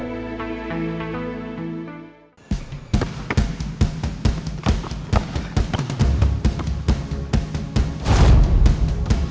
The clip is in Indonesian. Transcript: gak ada tagangan